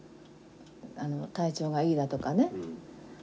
あの体調がいいだとかね。